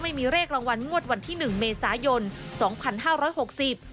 ไม่มีเลขรางวัลงวดวันที่หนึ่งเมษายนสองพันห้าร้อยหกสิบ